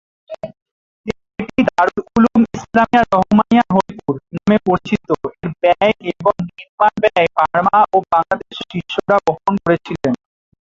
এটি "দারুল উলুম ইসলামিয়া রহমানিয়া হরিপুর" নামে পরিচিত, এর ব্যয় এবং নির্মাণ ব্যয় বার্মা ও বাংলাদেশের শিষ্যরা বহন করেছিলেন।